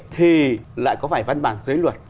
thì lại có phải văn bản dưới luật